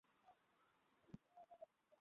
আমি বললাম, আদী ইবনে হাতেম।